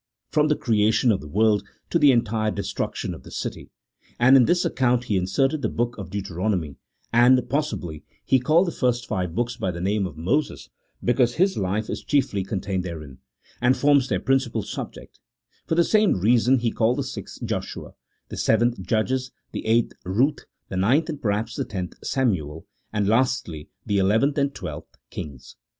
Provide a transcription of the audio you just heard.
VIII, from the creation of the world to the entire destruction of the city, and in this account he inserted the book of Deute ronomy, and, possibly, he called the first five books by the name of Moses, because his life is chiefly contained therein, and forms their principal subject ; for the same reason he called the sixth Joshua, the seventh Judges, the eighth Ruth, the ninth, and perhaps the tenth, Samuel, and, lastly, the eleventh and twelfth Kings.